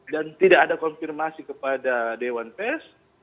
dan tidak ada konfirmasi kepada dewan pers